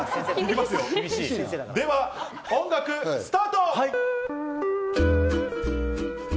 では、音楽スタート！